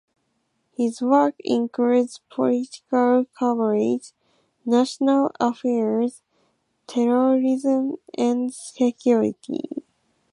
His work includes political coverage, national affairs, terrorism and security.